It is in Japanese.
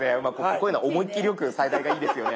こういうのは思い切りよく最大がいいですよね。